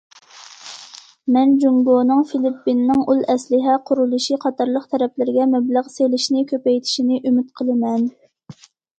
مەن جۇڭگونىڭ فىلىپپىننىڭ ئۇل ئەسلىھە قۇرۇلۇشى قاتارلىق تەرەپلىرىگە مەبلەغ سېلىشنى كۆپەيتىشىنى ئۈمىد قىلىمەن.